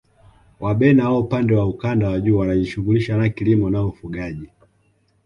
Wabena wa upande wa ukanda wa juu wanajishughulisha na kilimo na ufugaji